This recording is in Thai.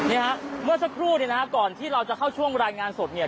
เมื่อสักครู่เนี่ยนะฮะก่อนที่เราจะเข้าช่วงรายงานสดเนี่ย